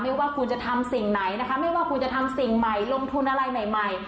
ว่าคุณจะทำสิ่งไหนนะคะไม่ว่าคุณจะทำสิ่งใหม่ลงทุนอะไรใหม่ใหม่